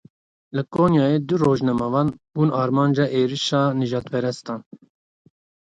Li Konyaym du rojnamevan bûn armanca êrişa nijadperestan.